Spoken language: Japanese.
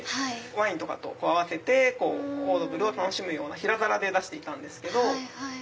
ワインとかと合わせてオードブルを楽しむような平皿で出していたんですけど。